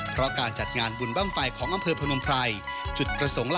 เพราะการจัดงานบุญบ้างไฟของอำเภอพนมไพรจุดประสงค์